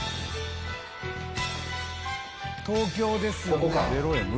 東京ですよね？